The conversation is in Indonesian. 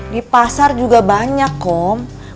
di pasar juga banyak kom buat apaan kamu